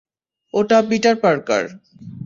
ওটা Peter Parker.